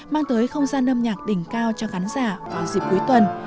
mang tới không gian âm nhạc đỉnh cao cho khán giả vào dịp cuối tuần